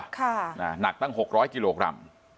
หนักตั้ง๖๐๐กิโลกรัม